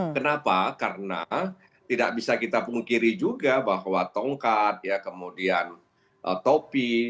kenapa karena tidak bisa kita pungkiri juga bahwa tongkat ya kemudian topi